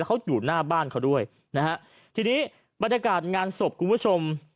เขาอยู่หน้าบ้านเขาด้วยนะฮะทีนี้บรรยากาศงานศพคุณผู้ชม